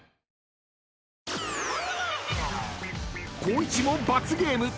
［光一も罰ゲーム］